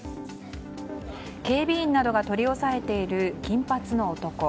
警備員などが取り押さえている金髪の男。